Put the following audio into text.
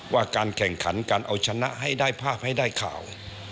ว่าการแข่งขันการเอาชนะให้ได้ภาพให้ได้ข่าว